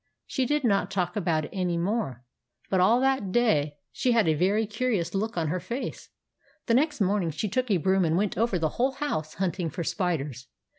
She did not talk about it any more ; but all that day she had a very curious look on her face. The next morning she took a broom and went over the whole house hunting for spiders.